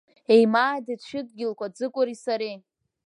Еимаадеит шәыдгьылқәа Ӡыкәы-ри сареи…